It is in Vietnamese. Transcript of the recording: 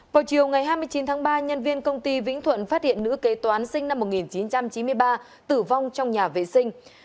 vào chiều ngày hai mươi chín tháng ba nhân viên công ty vĩnh thuận phát hiện nữ kế toán sinh năm một nghìn chín trăm chín mươi ba tử vong trong nhà vệ sinh